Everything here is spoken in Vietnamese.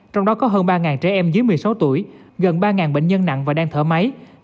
trong đó có hơn ba trẻ em dưới một mươi sáu tuổi gần ba bệnh nhân nặng và đang thở máy